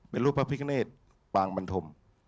เป็นรูปพระพิกเนตปางบรรธม